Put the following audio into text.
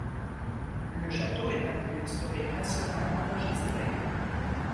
Le château est un lieu historique national enregistré.